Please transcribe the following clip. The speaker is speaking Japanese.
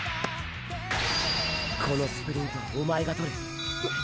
このスプリントはおまえが獲れ。